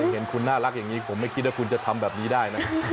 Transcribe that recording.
เห็นคุณน่ารักอย่างนี้ผมไม่คิดว่าคุณจะทำแบบนี้ได้นะ